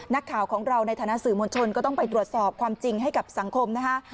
นักข่าวของเราในฐานะสื่อมวลชนก็ต้องไปตรวจสอบความจริงให้กับสังคมนะคะ